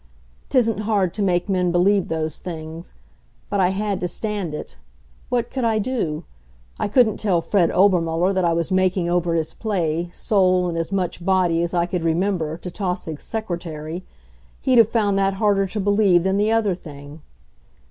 'Tisn't hard to make men believe those things. But I had to stand it. What could I do? I couldn't tell Fred Obermuller that I was making over his play, soul and as much body as I could remember, to Tausig's secretary. He'd have found that harder to believe than the other thing.